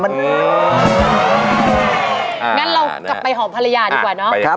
เมื่อก็ไปหอมพรรยาดีกว่าน้อ